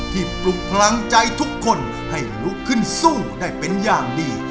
ปลุกพลังใจทุกคนให้ลุกขึ้นสู้ได้เป็นอย่างดี